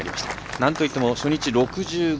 なんといっても初日６５。